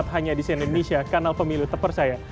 hanya di siena indonesia kanal pemilu tepersaya